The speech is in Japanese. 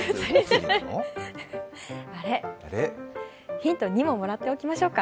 ヒント２ももらっておきましょうか。